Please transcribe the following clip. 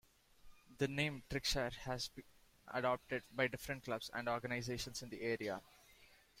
The name Triggshire has been adopted by different clubs and organizations in the area.